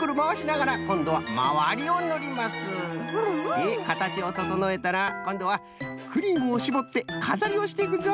でかたちをととのえたらこんどはクリームをしぼってかざりをしていくぞ。